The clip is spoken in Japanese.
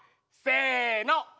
せの！